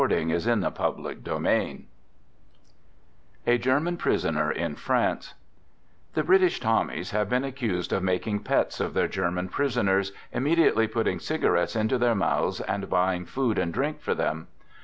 Digitized by A GERMAN PRISONER IN FRANCE The British Tommies have been accused of making pets of their German prisoners, immediately putting cigarettes into their mouths and buying food and drink for them.